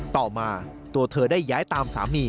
ต่อมาตัวเธอได้ย้ายตามสามี